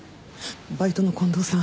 バイトの近藤さん